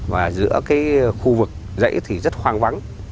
và giữa khu vực dãy thì rất hoang vắng